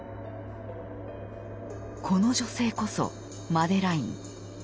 この女性こそマデライン。